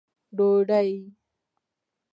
ډوډۍ